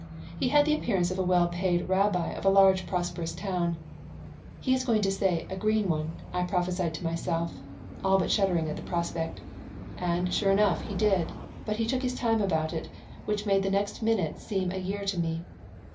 He had the appearance of a well paid rabbi of a large, prosperous town. "He is going to say, 'A green one,'" I prophesied to myself, all but shuddering at the prospect. And, sure enough, he did, but he took his time about it, which made the next minute seem a year to me.